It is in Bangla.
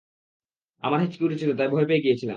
আমার হিচকী উঠেছিল তাই ভয় পেয়ে গিয়েছিলাম।